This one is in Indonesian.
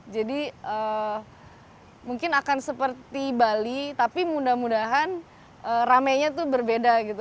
jadi mungkin akan seperti bali tapi mudah mudahan rame nya itu berbeda gitu